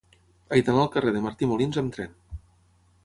He d'anar al carrer de Martí Molins amb tren.